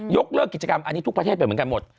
เลิกกิจกรรมอันนี้ทุกประเทศไปเหมือนกันหมด